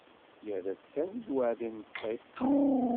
Yerra-tt kan i lweɛd n yimeṭṭi.